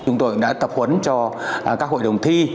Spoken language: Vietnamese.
chúng tôi cũng đã tập huấn cho các hội đồng thi